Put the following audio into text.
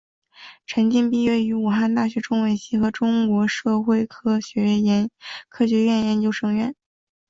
陈晋毕业于武汉大学中文系和中国社会科学院研究生院。